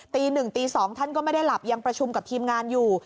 ตี๑ตี๒ท่านก็ไม่ได้หลับยังประชุมกับทีมงานอยู่